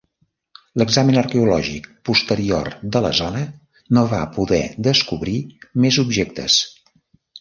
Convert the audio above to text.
L'examen arqueològic posterior de la zona no va poder descobrir més objectes.